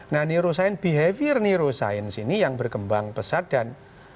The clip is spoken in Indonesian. nah behavior neuroscience ini yang berkembang pesat dan